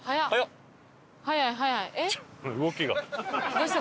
どうした？